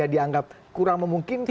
yang sudah dianggap kurang memungkinkan